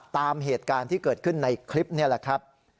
ตามเหตุการณ์ที่เกิดขึ้นในคลิปนี่แหละครับ